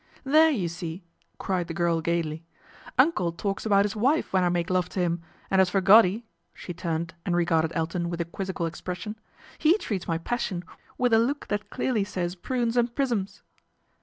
' There, you see !" cried the girl gaily, '* Uncle talks about his wife when I make love to him, and as for Goddy," she turned and regarded Elton with a quizzical expression, " he treats my pas sion with a look that clearly says prunes and prisms."